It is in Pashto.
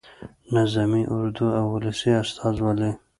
نظامي اردو او ولسي استازولي.